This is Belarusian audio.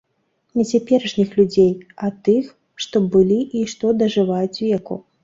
Не цяперашніх людзей, а тых, што былі і што дажываюць веку.